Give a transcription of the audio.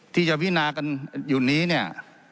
ที่จะพินากันอยู่นี้เนี่ย